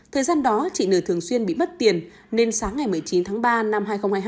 thời gian đó chị nờ thường xuyên bị mất tiền nên sáng ngày một mươi chín tháng ba năm hai nghìn hai mươi hai